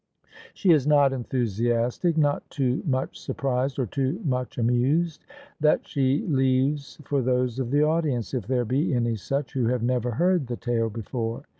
She is not enthusiastic — not too much surprised or too much amused: that she leaves for those of the audience (if there be any such) who have never heard the tale before.